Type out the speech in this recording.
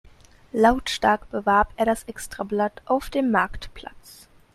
Lautstark bewarb er das Extrablatt auf dem Marktplatz.